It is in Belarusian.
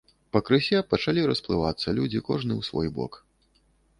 Пакрысе пачалі расплывацца людзі, кожны ў свой бок.